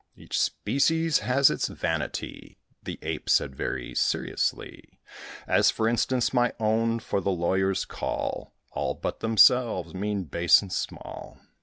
"Each species has its vanity," The Ape said very seriously; "As, for instance, my own; for the lawyers call All but themselves, mean, base, and small.